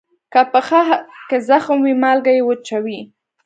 که پښه کې زخم وي، مالګه یې وچوي.